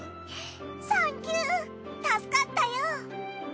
サンキュー助かったよ。